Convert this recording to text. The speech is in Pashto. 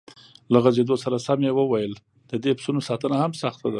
له غځېدو سره سم یې وویل: د دې پسونو ساتنه هم سخته ده.